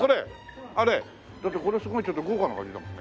だってこれすごいちょっと豪華な感じだもんね。